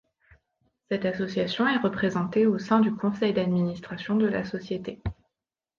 Cette association est représentée au sein du Conseil d’administration de la société.